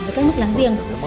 với các nước láng giềng